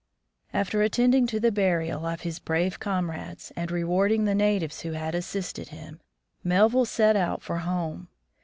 After attending to the burial of his brave comrades, and rewarding the natives who had assisted him, Melville set out for home.